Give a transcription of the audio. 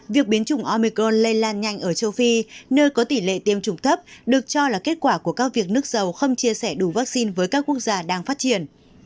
việc biến chủng omicron lây lan nhanh ở châu phi nơi có tỷ lệ tiêm chủng thấp được cho là kết quả của các việc nước dầu không chia sẻ đủ vaccine với các quốc gia đang phát triển